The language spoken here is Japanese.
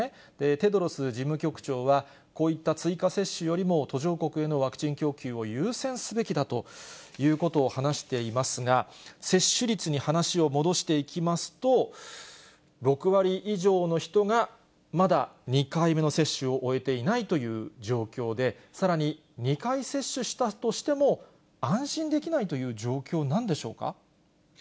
テドロス事務局長は、こういった追加接種よりも途上国へのワクチン供給を優先すべきだということを話していますが、接種率に話を戻していきますと、６割以上の人がまだ２回目の接種を終えていないという状況で、さらに２回接種したとしても、安心できないという状況なんでしょうか？